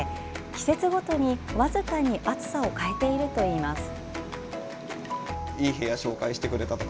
季節ごとに、僅かに熱さを変えているといいます。